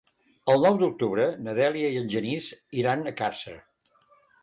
El nou d'octubre na Dèlia i en Genís iran a Càrcer.